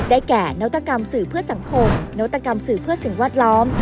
แก่นวัตกรรมสื่อเพื่อสังคมนวัตกรรมสื่อเพื่อสิ่งแวดล้อม